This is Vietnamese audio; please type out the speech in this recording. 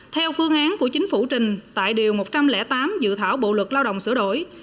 theo phương án của chính phủ trình tại điều một trăm linh tám dự thảo bộ luật lao động sửa đổi